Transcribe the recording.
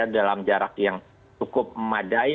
dalam jarak yang cukup memadai